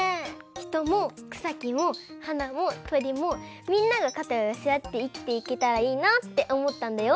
ひともくさきもはなもとりもみんながかたをよせあっていきていけたらいいなっておもったんだよ。